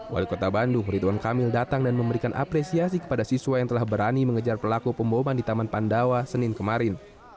wali kota bandung ridwan kamil datang dan memberikan apresiasi kepada siswa yang telah berani mengejar pelaku pemboman di taman pandawa senin kemarin